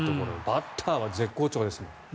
バッターは絶好調ですね。